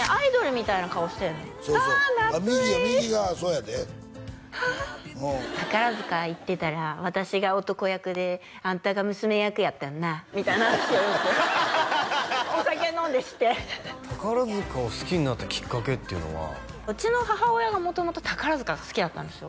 右がそうやで「宝塚行ってたら私が男役であんたが娘役やったんな」みたいな話をよくお酒飲んでして宝塚を好きになったきっかけっていうのはうちの母親が元々宝塚が好きだったんですよ